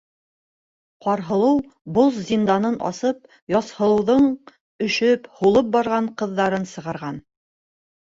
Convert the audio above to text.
Ҡарһылыу боҙ зинданын асып, Яҙһылыуҙың өшөп, һулып барған ҡыҙҙарын сығарған.